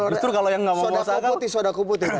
justru kalau yang nggak mau masuk akal